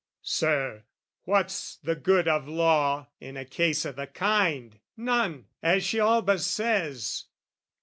Sir, what's the good of law In a case o' the kind? None, as she all but says.